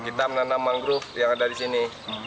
kita menanam mangrove yang ada di sini